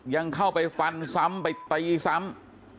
ยังเข้าไปฟันซ้ำไปตีซ้ำ